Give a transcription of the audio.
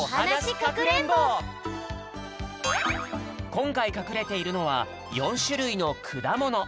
こんかいかくれているのは４しゅるいのくだもの。